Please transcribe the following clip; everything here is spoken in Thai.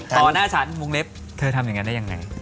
หน้าฉันวงเล็บเธอทำอย่างนั้นได้ยังไง